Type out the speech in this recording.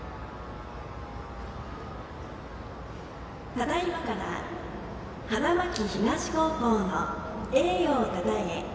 ただいまから花巻東高校の栄誉をたたえ